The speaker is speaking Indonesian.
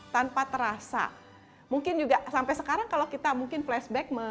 tanpa terasa mungkin juga sampai sekarang kalau kita mungkin flashback memutar lagi video pasti